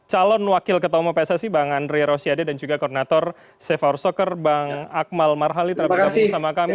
calon wakil ketua umum pssc bang andri rosiade dan juga koordinator save our soccer bang akmal marhali terima kasih bersama kami